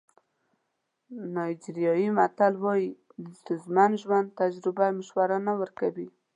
نایجیریایي متل وایي د ستونزمن ژوند تجربه مشوره نه ورکوي.